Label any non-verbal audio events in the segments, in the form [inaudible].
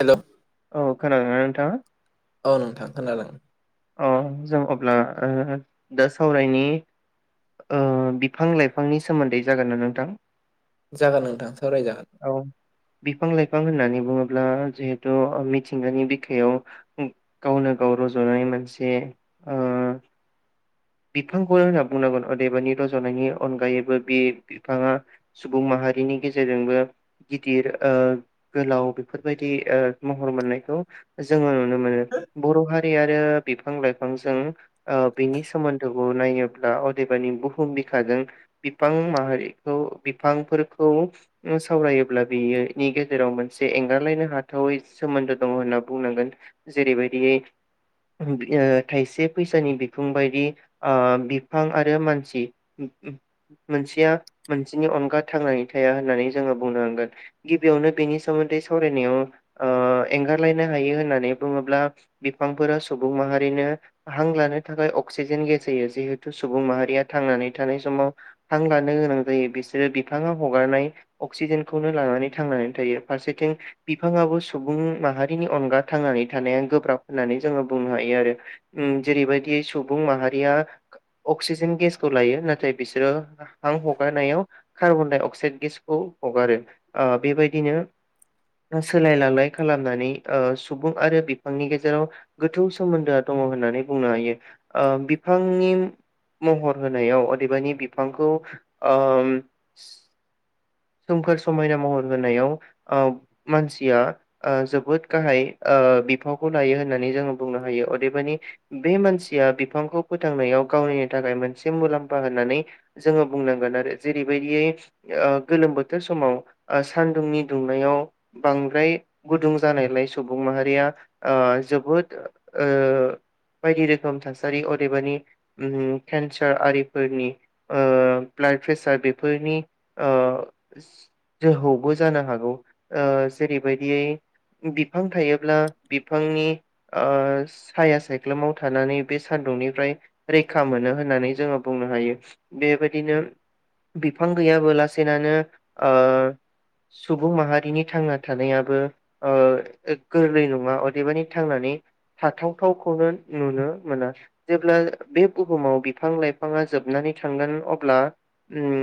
हेल' औ खोनादों। थाङा औ नोंथां खोनादों। अ जों अब्ला दा ओ सावरायनि ओ बिफां लाइफांनि सोमोन्दै जागोन ना नोंथांनियाव जागोन नोंथां सावरायजागोन औ बिफां लाइफां होननानै बुङोब्ला ब्ला जिहेथु मिथिंगानि बिखायाव गावनो गाव रज'नानै म माखसे बिफांखौनो होनना बुंनांगोन अदेबानि रज'नायनि अनगायैबो बे बिफाङा सुबुं माहारिनि गेजेरजोंबो गिदिर ओ गोलाव बेफोरबायदि महर मोननायखौ जोङो नुनो मोनो बर' हारि आरो बिफां लाइफांजों बिनि सोमोन्दोखौ नायोब्ला अदेबानि बुहुम बिखाजों बिफां माहारिखौ बिफांफोरखौ सावरायोब्ला बिनि गेजेराव मोनसे एंगारलायनो हाथावै सोमोन्दो दङ होनना बुंनांगोन जेरैबायदि थायसे फैसानि बिफुं बायदि ओ बिफां आरो मानसि मोनसेया मोनसेनि अनगा थांनानै थाया होननानै जोङो बुंनो हांगोन गिबियावनो बेनि सोमोन्दै सावरायनायाव ओ एंगारलायनो हायो होननानै बुङोब्ला बिफांफोराथंथं सुबुं माहारिनो हां लानो थाखाय अक्सिजेन गेस जायो जिहेथु सुबुं माहारिया थांनानै थानाय समाव हां लानो गोनां जायो बिसोरो बिफाङा हगारनाय अक्सिजेनखौनो लानानै थांनानै थायो फारसेथिं बिफाङआो सुबुं माहारिनि अनगा थांनानै थानाया गोब्राब होननानै जोङो। बुंनो हायो आरो उम जेरैबायदि सुबुं माहारिया अक्सिजेन गेसखौ लायो नाथाय बिसोरो [unintelligible] कार्बन दाइ अक्साइड गेसखौ हगारो ओ बेबायदिनो सोलाय लालाय खालामनानै सुबुं आरो बिफांनि गेजेराव गोथौ सोमोन्दोआ दङ होननानै बुंनो हायो ओ बिफांनि महर होनायाव अदेबानि बिफांखौ ओ सोमखोर समायना महर होनायाव ओ मानसिया ओ जोबोद गाहाय ओ बिफावखौ लायो होननानै जोङो बुंनो हायो अदेबानि बे मानसिया बिफांखौ फोथांनायाव गावनि थाखाय मोनसे मुलाम्फा होननानै जोङो बुंनांगोन आरो जेरैबायदियै ओ गोलोम बोथोर समाव ओ सानदुंनि दुंनायाव बांद्राय गुदुं जानायलाय सुबुं माहारिया ओ जोबोद ओ बायदि रोखोम थासारि अदेबानि ओम केन्सार आरिफोरनि ओ ब्लाड प्रेसार बेफोरनि ओ जोहौबो जानो हागौ जेरैबायदियै बिफां थायोब्ला बिफांनि ओ साया सायख्लुमाव थानानै बे सान्दुंनिफ्राय रैखा मोनो होननानै जोङो बुंनो हायो बेबायदिनो बिफां गैयाबो लासेनो ओ सुबुं माहारिनि थांना थानायाबो ओ गोरलै नङा अदेबानि थांनानै थाथावथावखौनो नुनो मोना जेब्ला बे बुहुमाव बिफां लाइफाङा जोबनानै थांगोन अब्ला ओम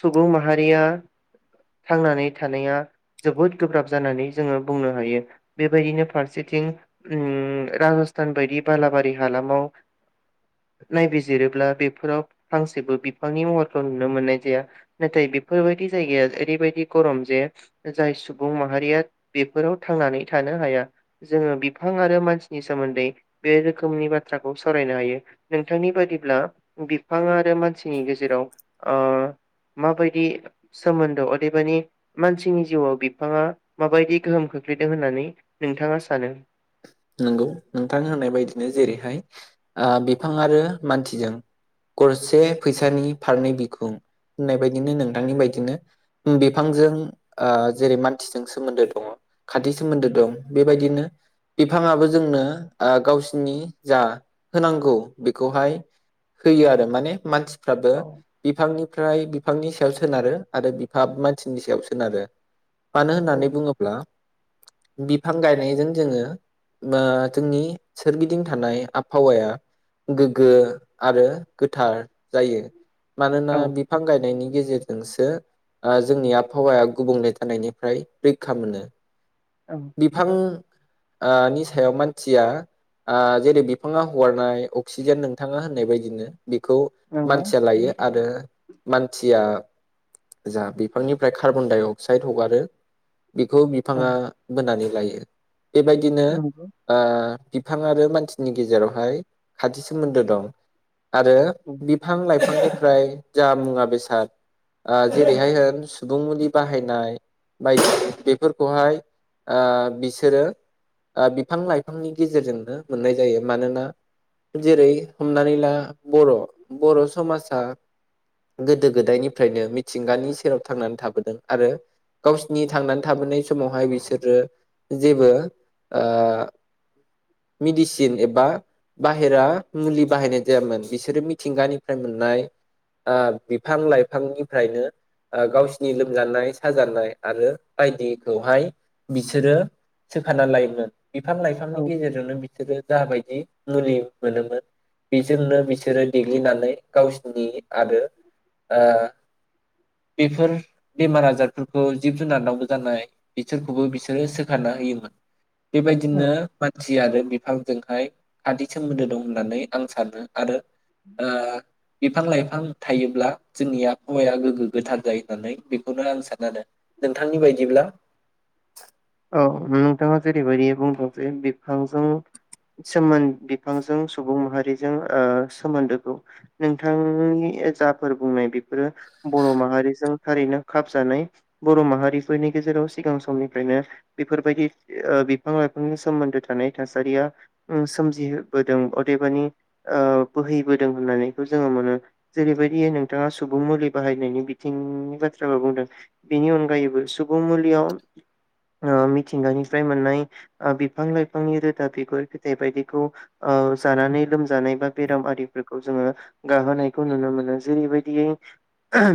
सुबुं माहारिया थांनानै थानाया जोबोद गोब्राब जानानै जोङो बुंनो हायो बेबायदिनो फारसेथिं उम राजस्थान बायदि बालाबारि हालामाव नायबिजिरोब्ला बेफोराव फांसेबो बिफांनि महरखौ नुनो मोननाय जाया नाथाय बेफोरबायदि जायगाया ओरैबायदि गरम जे जाय सुबुं माहारिया बेफोराव थांनानै थानो हाया जोङो बिफां आरो मानसिनि सोमोन्दै बे रोखोमनि बाथ्राखौ सावरायनो हायो नोंथांनि बादिब्ला बिफां आरो मानसिनि गेजेराव ओ माबायदि सोमोन्दो अदेबानि मानसिनि जिउआव बिफाङा माबायदि गोहोम खोख्लैदों होननानै नोंथाङा सानो नंगौ नोंथां होननाय बायदिनो जेरैहाय आ बिफां आरो मानसिजों गरसे फैसानि फारनै बिखुं होननाय बदिनो नोंथांनि बायदिनो बिफांजों आ जेरै मानसिजों सोमोन्दो दङ खाथि सोमोन्दो दं बेबायदिनो बिफाङाबो‌ जोंनो आ गावसिरनि जा होनांगौ बेखौहाय होयो आरो माने मानसि फाबो औ बिफांनि बेनिफ्राय बिफांनि सायाव सोनारो आरो बिफा मानसिनि सायाव सोनारो मानो औ होननानै बुङोब्ला बिफां गायनायजों जोङो बा जोंनि सोरगिदिं थानाय आबहावाया गोग्गो आरो गोथार जायो मानोना औ बिफां गायनायनि गेजेरजोंसो ओ जोंनि आबहावाया गुबुंले जानायनिफ्राय रैखा मोनो औ बिफां आ नि सायाव मानसिया जेरै बिफाङा हरनाय अक्सिजेन नोंथाङा होननाय बायदिनो बेखौ नंगौ मानसिया लायो आरो मानसिया जा बिफांनिफ्राय कार्बनडाइ अक्साइड हगारो बेखौ औ बिफाङा बोनानै लायो बेबायदिनो नंगौ ओ बिफां आरो मानसिनि गेजेरावहाय खाथि सोमोन्दो दं आरो औ बिफां लाइफांनिफ्राय जा मुवा बेसाद ओ जेरैहाय होन सुबुं मुलि बाहायनाय बायदि बेफोरखौहाय ओ बिसोरो बिफां लाइफांनि गेजेरजोंनो मोननाय जायो मानोना जेरै हमनानै ला बर' बर' समाजा गोदो गोदायनिफ्रायनो मिथिंगानि सेराव थांनानै थाबोदों आरो गावसिनि थांनानै थाबोनाय समावहाय बिसोरो जेबो ओ मेडिसिन एबा बाहेरा मुलि बाहायनाय जायामोन बिसोरो मिथिंगानिफ्राय मोननाय ओ बिफां लाइफांनिफ्रायनो गावसिनि लोमजानाय साजानाय आरो बायदिखौहाय बिसोरो सोखानानै लायोमोन बिफां औ लाइफांनि गेजेरजोंनो बिसोरो जाबायदि मुलि मोनोमोन बेजोंनो बिसोरो देग्लिनानै गावसोरनि आरो ओ बेफोर बेमार आजारफोरखौ जिब जुनारनावबो जानाय बिसोरखौबो बिसोरो सोखाना होयोमोन औ बेबायदिनो मानसि सि आरो बिफांजोंहाय खाथि सोमोन्दो दं होननानै आं सानो आरो ओ बिफां लाइफां बिफां थायोब्ला जोंनि आबहावाया गोग्गो गोथार जायो होननानै बेखौनो आं सानो आरो नोंथांनि बायदिब्ला औ नोंथाङा जेरैबायदि बुंदों जे बिफांजों सोमोन बिफांजों सुबुं माहारिजों ओ सोमोन्दोखौ नोंथांनि जाफोर बुंनाय बेफोरो बर' माहारिजों हारिनो खाबजानाय बर' माहारिफोरनि गेजेराव सिगां समनिफ्रायनो बेफोरबायदि ओ बिफां लाइफांनि सोमोन्दो थानाय थासारिया सोमजिबोदों अदेबानि ओ बोहैबोदों होननानैखौ जोङो मोनो जेरैबायदि नोंथाङा सुबुं मुलि बाहायनायनि बिथिंनि बाथ्राखौ बुंदों बेनि अनगायैबो सुबुं मुलियाव मिथिंगानिफ्राय मोननाय ओ बिफां लाइफांनि रोदा बिगुर फिथाइ बायदिखौ अ‌ जानानै लोमजानाय बा बेराम आरिफोरखौ जोङो गाहोनायखौ नुनो मोनो जेरैबायदियै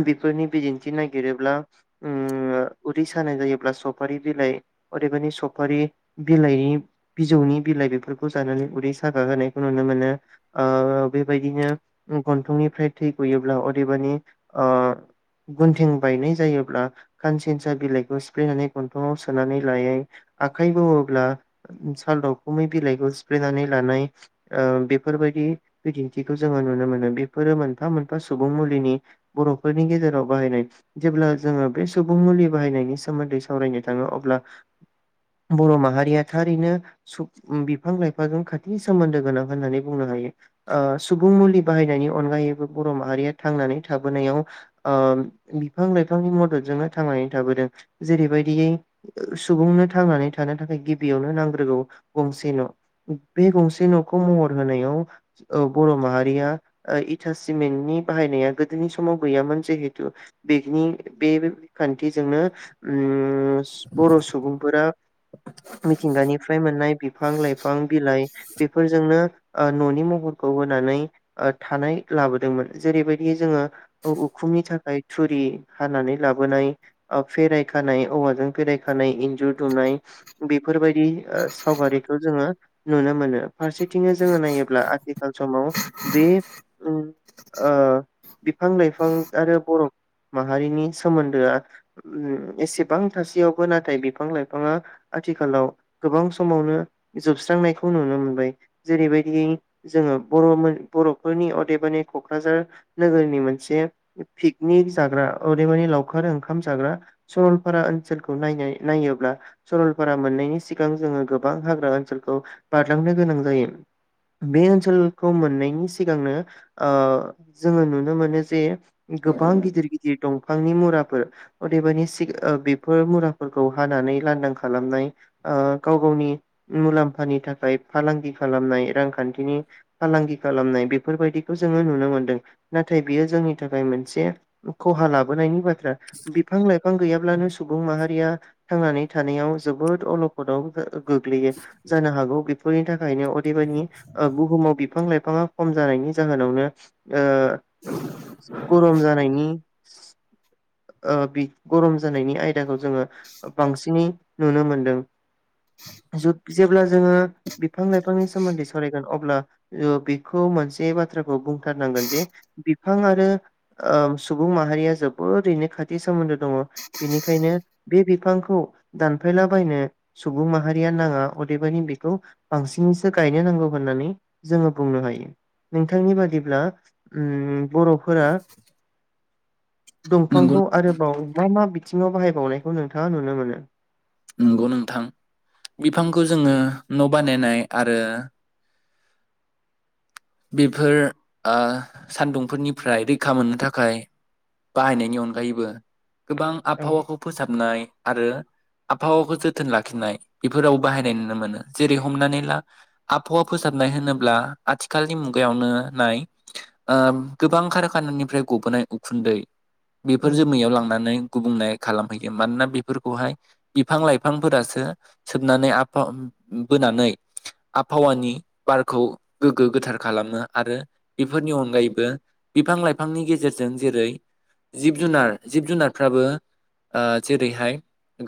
बेफोरनि बिदिन्थि नागिरोब्ला उदै सानाय जायोब्ला सफारि बिलाइ अदेबानि सफारि बिलाइनि बिजौनि बिलाइ बेफोरखौ जानानै उदै सागा होनायखौ नुनो मोनो ओ बेबायदिनो गन्थंनिफ्राय थै गयोब्ला अदेबानि ओ गन्थें बायनाय जायोब्ला खानसेनसा बिलाइखौ सिफ्लेनानै ग न्थंयाव सोनानै लायो आखाइ बौवोब्ला साल दावखुमै बिलाइखौ सिफ्लेनानै लानाय ओ बेफोरबायदि बिदिन्थिखौ जोङो नुनो मोनो बेफोरो मोनफा मोनफा सुबुं मुलिनि बर'फोरनि गेजेराव बाहायनाय जेब्ला जोङो बे सुबुं मुलि बाहायनायनि सोमोन्दै सावरानो थाङो अब्ला बर' माहारिया थारैनो सु बिफां लाइफांाज खाथि सोमोन्दो गोनां होननानै बुंनो हायो सुबुं मुलि बाहायनायनि अनगायैबो बर' माहारिया थांनानै थाबोनायाव बिफां लाइफांनि मददजोंनो थांनानै थाबोदों जेरैबायदि बिदियै सुबुंनो थांनानै थानो थाखाय गिबियावनो नांग्रोगौ गंसे न बे गंसे नखौ महर होनायाव बर' माहारिया इटा सिमेन्टनि बाहायनाया गोदोनि समाव गैयामोन जिहेतु बेनि बे खान्थिजोंनो उम बर' सुबुंफोरा मिथिंगानिफ्राय मोननाय बिफां लाइफां बिलाइ बेफोरजोंनो ओ ननि महरखौ होनानै थानाय लाबोदोंमोन जेरैबायदि जोङो उखुमनि थाखाय थुरि हानानै लाबोनाय फेराय खानाय औवाजों फेरा खानाय इन्जुर दुमनाय बेफोरबायदि सावगारिखौ जोङो नुनो मोनो फारसेथिंनो जोङो नायोब्ला आथि खाल समाव बे उम ओ बिफां लाइफां आरो बर' माहारिनि सोमोन्दोआ एसे बां थासेयावबो नाथाय बिफां लाइफाङा आथिखालाव गोबां समावनो जोबस्रांनायखौ नुनो मोनबाय जेरैबायदि जोङो बर' बर'फोरनि अदेबानि क'क्राझार नोगोरनि मोनसे पिकनिक जाग्रा अदेबानि लावखार ओंखाम जाग्रा सरल फारा ओनसोलखौ नायनाय नायोब्ला सरलपारा मोननायनि सिगां जोङो गोबां हाग्रा ओनसोलखौ बारलांनो गोनां जायो बे ओनसोलखौ मोननायनि सिगांनो ओ जोङो नुनो मोनो जे गोबां गिदिर गिदिर दंफांनि मुराफोर अदेबानि ओ बेफोर मुुराफोरखौ हानानै लांदां खालामनाय ओ गाव गावनि मुलाम्फानि थाखाय फालांगि खालामनाय रांखान्थिनि फालांगि खालामनाय बेफोरबायदिखौ जोङो नुनो मोनदों नाथाय बियो जोंनि थाखाय मोनसे खहा लाबोनायनि बाथ्रा बिफां लाइफां गैयाब्ला लानो सुबुं माहारिया थांनानै थानायाव जोबोद अलखदाव गोग्लैयो जानो हागौ बेफोरनि थाखाय थाखायनो अदेबानि ओ बुहुमाव बिफां लाइफां बिफाङा खम जानायनि जाहोनावनो ओ गरम जानायनि ओ बि गरम जानायनि आयदाखौ जोङो बांसिनै नुनो मोनदों जोब जेब्ला जोङो बिफां लाइफांनि सोमोन्दै सरायगोन अब्ला बेखौ मोनसे बाथ्राखौ बुंथारनांगोन जे बिफां आरो सुबुं माहारिया जोबोरैनो खाथि सोमोन्दो दङ बेनिखायनो बे बिफांखौ दानफायलाबायनो सुबुं माहारिया नाङा अदेबानि बेखौ बांसिनैसो गायनो नांगौ होननानै जोङो बुंनो हायो नोंथांनि बादिब्ला उम बर'फोरा नंगौ दंफांखौ आरोबाव मा मा बि थिङाव बाहायबावनायखौ नोंथाङा नुनो मोनो नंगौ नोंथां बिफांखौ जोङो न' बानायनाय आरो बेफोर ओ सान्दुंफोरनिफ्राय रैखा मोननो थाखाय बाहायनायनि अनगायैबो गोबां औ आबहावाखौ फोसाबनाय आरो आबहावाखौ जोथोन लाखिनाय बेफोराव बाहायनाय नुनो मोनो जेरै हमनानै ला आबहावा फोसाबनाय होनोब्ला आथि खालनि मुगायावनो नाय ओ गोबां खारोखानायानिफ्राय गबोनाय उखुन्दै बेफोर जोमैयाव लांनानै गुबुंनाय खालामहैयो मानोना बेफोरखौहाय बिफां लाइफांफोरासो सोबनानै आबह बोनानै आबहावानि बारखौ गो गो गोथार खालामो आरो बेफोरनि अनगायैबो बिफां लाइफांनि गेजेरजों जेरै जिब जुनार जिब जुनारफ्राबो ओ जेरैहाय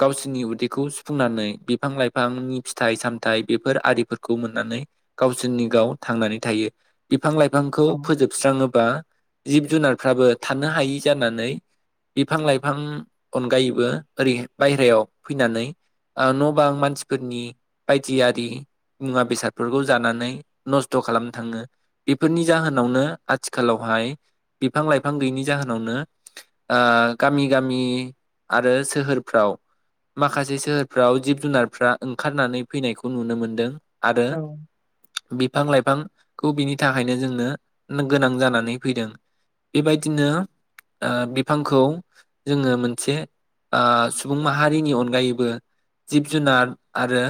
गावसोरनि उदैखौ सुफुंनानै बिफां लाइफांनि फिथाइ सामथाइ बेफोर आरिफोरखौ मोननानै गावसोरनि गाव थांनानै थायो बिफां लाइफांखौ औ फोजोबस्राङोबा जिब जुनारफ्राबो थानो हायि जानानै बिफां लाइफां अनगायैबो ओरै बायहेरायाव फैनानै ओ न' बां मानसिफोरनि बायदि आरि मुवा बेसादफोरखौ जानानै नस्थ' खालामनो थाङो बेफोरनि जाहोनावनो आथिखालावहाय बिफां लाइफां गैयिनि जाहोनावनो ओ गामि गामि आरो सोहोरफ्राव माखासे सोहोरफ्राव जिब जुनारफ्रा ओंखारनानै फैनायखौ नुनो मोनदों आरो औ बिफां लाइफांखौ बिनि थाखायनो जोंनो गोनां जानानै फैदों बेबायदिनो ओ बिफांखौ जोङो मोनसे ओ सुबुं माहारिनि अनगायैबो जिब जुनार आरो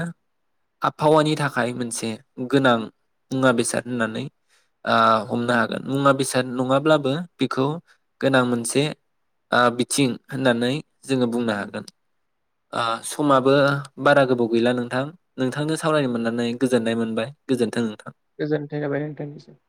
आबहावानि थाखाय मोनसे गोनां मुवा बेसाद होननानै ओ हमनो हागोन मुवा बेसाद नङाब्लाबो बेखौ गोनां मोनसे ओ बिथिं होननानै जोङो बुंनो हागोन समाबो बारा गोबाव गैला नोंथां नोंथांनो सावरायनो मोननानै गोजोननाय मोनबाय गोजोन थों नोंथां गोजोनाय थाबाय नोंथांनिसिम